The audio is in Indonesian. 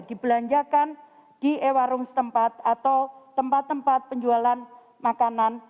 dibelanjakan di ewarung setempat atau tempat tempat penjualan makanan